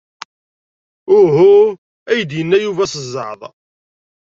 Uhuuu! ay d-yenna Yuba s zzeɛḍ.